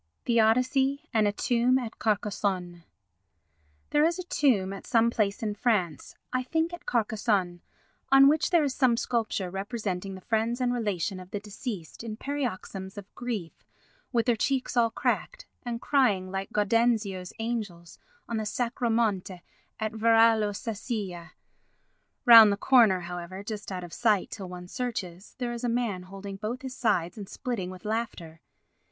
The Odyssey and a Tomb at Carcassonne There is a tomb at some place in France, I think at Carcassonne, on which there is some sculpture representing the friends and relations of the deceased in paroxysms of grief with their cheeks all cracked, and crying like Gaudenzio's angels on the Sacro Monte at Varallo Sesia. Round the corner, however, just out of sight till one searches, there is a man holding both his sides and splitting with laughter.